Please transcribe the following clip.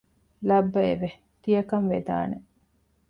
ލައްބައެވެ! ތިޔަކަން ވެދާނެ